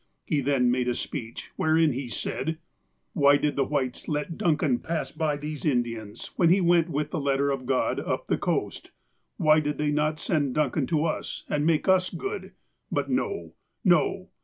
He then made a speech, wherein he said : "Why did the Whites let Duncan pass by these In dians when he went with the letter of God up the coast ? Why did they not send Duncan to us, and make us good ? But no ! no